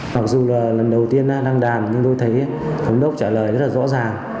mặc dù lần đầu tiên đang đàn nhưng tôi thấy thống đốc trả lời rất là rõ ràng